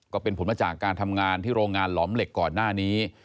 ก็เป็นผลมาจากการทำงานที่โรงงานหลอมเหล็กก่อนหน้านี้